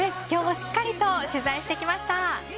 今日もしっかりと取材してきました。